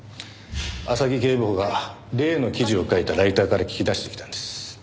浅木警部補が例の記事を書いたライターから聞き出してきたんです。